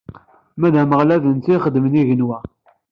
Ma d Ameɣlal, d netta i ixedmen igenwan.